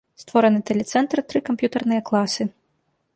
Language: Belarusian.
Створаны тэлецэнтр, тры камп'ютарныя класы.